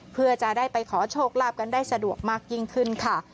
เพื่อจะได้ไปขอโชคลาภกันได้สะดวกมากยิ่งขึ้นค่ะ